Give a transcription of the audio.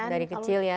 dari kecil ya